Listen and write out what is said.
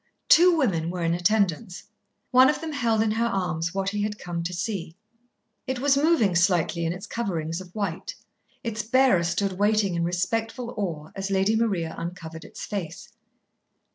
Two women were in attendance. One of them held in her arms what he had come to see. It was moving slightly in its coverings of white. Its bearer stood waiting in respectful awe as Lady Maria uncovered its face.